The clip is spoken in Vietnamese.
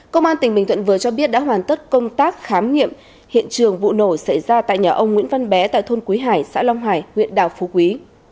công an tỉnh bình thuận vừa cho biết đã hoàn tất công tác khám nghiệm hiện trường vụ nổ xảy ra tại nhà ông nguyễn văn bé tại thôn quý hải xã long hải huyện đảo phú quý